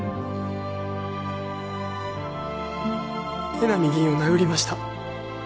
江波議員を殴りました。